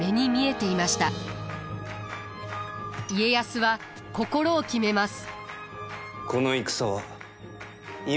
家康は心を決めます。